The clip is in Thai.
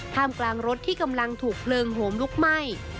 มกลางรถที่กำลังถูกเพลิงโหมลุกไหม้